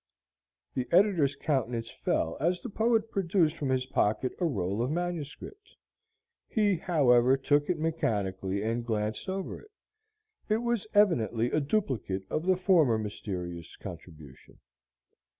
The editor's countenance fell as the poet produced from his pocket a roll of manuscript. He, however, took it mechanically and glanced over it. It was evidently a duplicate of the former mysterious contribution.